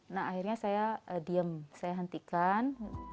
nah akhirnya saya diem saya hentikan